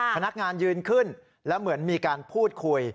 พนักงานยืนขึ้นแล้วเหมือนมีการพูดคุย